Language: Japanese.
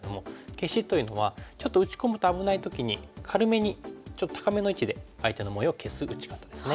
消しというのはちょっと打ち込むと危ない時に軽めにちょっと高めの位置で相手の模様を消す打ち方ですね。